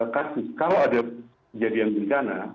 kasus kalau ada kejadian bencana